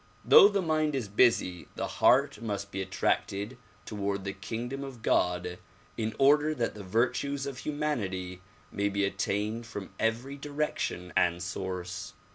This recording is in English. Though the mind is busy the heart must be attracted toward the kingdom of God in order that the virtues of humanity may be attained from every direction and source.